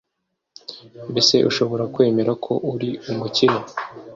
Mbese ushobora kwemera ko uri umukire